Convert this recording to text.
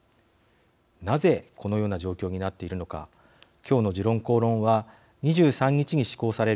なぜこのような状況になっているのか今日の「時論公論」は２３日に施行されるＬＧＢＴ